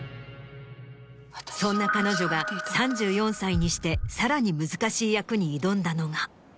そんな彼女が３４歳にしてさらに難しい役に挑んだのが。